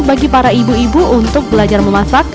bagi para ibu ibu untuk belajar memasak